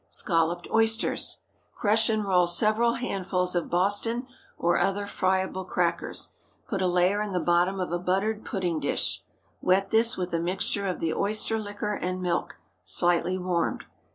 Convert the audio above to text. SCALLOPED OYSTERS. ✠ Crush and roll several handfuls of Boston or other friable crackers. Put a layer in the bottom of a buttered pudding dish. Wet this with a mixture of the oyster liquor and milk, slightly warmed.